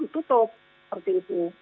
ditutup seperti itu